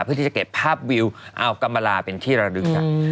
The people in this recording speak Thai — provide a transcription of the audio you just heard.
เพื่อที่จะเก็บภาพวิวอาวกรรมลาเป็นที่ระลึก